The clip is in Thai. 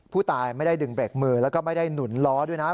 ผู้ตายไม่ได้ดึงเบรกมือแล้วก็ไม่ได้หนุนล้อด้วยนะ